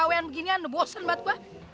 like udah tewan btw